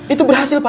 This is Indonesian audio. itu berhasil pak